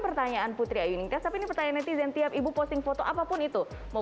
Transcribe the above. pertanyaan putri ayu ningkas tapi ini pertanyaan netizen tiap ibu posting foto apapun itu mau